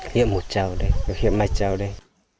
hiệp một châu đây hiệp mai châu đây